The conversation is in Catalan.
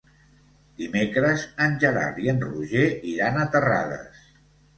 Dimecres en Gerard i en Roger iran a Terrades.